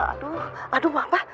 aduh aduh papa